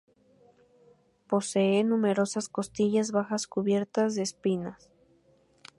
Posee numerosas costillas bajas cubiertas de espinas.